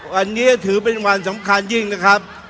วันนี้ถือเป็นวันสำคัญยิ่งนะครับ